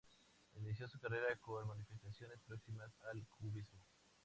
Inició su carrera con manifestaciones próximas al cubismo.